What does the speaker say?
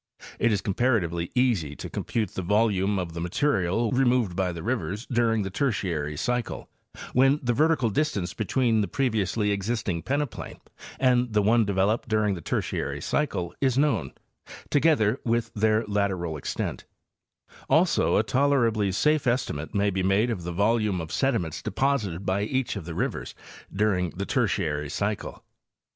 It is comparatively easy to compute the volume of the material which was removed by the rivers during the Tertiary cycle, when the vertical distance between the previously existing peneplain and the one developed during the Tertiary cycle is known, together with their lateral extent ; also a tolerably safe estimate may be made of the volume of sediments deposited by each of the rivers during the Tertiary cycle.